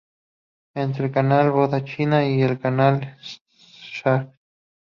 Entre el Canal de Boca Chica y el Canal de Shark.